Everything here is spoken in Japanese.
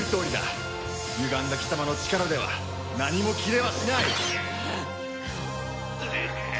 ゆがんだ貴様の力では何も斬れはしない！